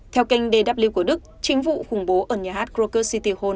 theo kênh dw của đức chính vụ khủng bố ở nhà hát krokus city hall